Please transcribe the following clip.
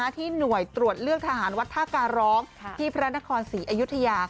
ที่หน่วยตรวจเลือกทหารวัดท่าการร้องที่พระนครศรีอยุธยา